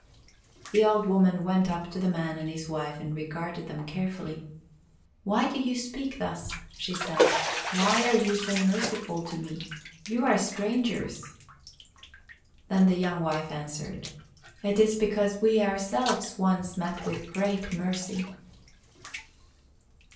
The old woman went up to the man and his wife and regarded them carefully. "Why do you speak thus?" she asked. "Why are you so merciful to me? You are strangers." Then the young wife answered: "It is because we ourselves once met with great mercy."